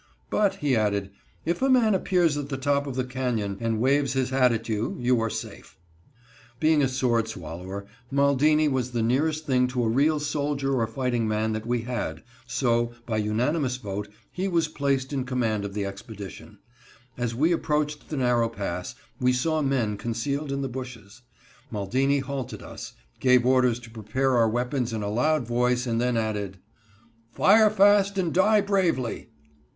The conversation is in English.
"But," he added, "if a man appears at the top of the cañon and waves his hat at you, you are safe." [Illustration: "THE TALL PEAKED HAT WAS A GREAT AID TO CLOWNING."] Being a sword swallower, Maldini was the nearest thing to a real soldier or fighting man that we had, so, by unanimous vote, he was placed in command of the expedition. As we approached the narrow pass we saw men concealed in the bushes. Maldini halted us, gave orders to prepare our weapons in a loud voice, and then added: "Fire fast and die bravely."